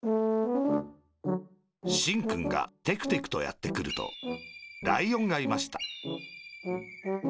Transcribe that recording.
しんくんがテクテクとやってくるとライオンがいました